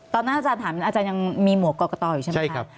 อาจารย์ถามอาจารย์ยังมีหมวกกรกตอยู่ใช่ไหมครับ